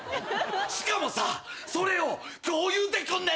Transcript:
しかもさそれを今日言うてくんねんで！？